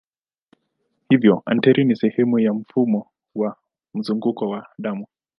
Hivyo ateri ni sehemu ya mfumo wa mzunguko wa damu.